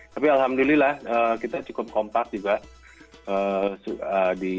tapi alhamdulillah kita cukup kompak juga